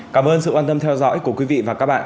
cảm ơn sự quan tâm theo dõi của quý vị và các bạn